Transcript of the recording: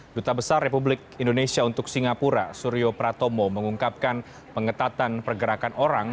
duta besar republik indonesia untuk singapura suryo pratomo mengungkapkan pengetatan pergerakan orang